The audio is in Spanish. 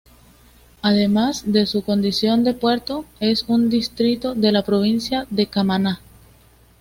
Además de su condición de puerto, es un distrito de la provincia de Camaná.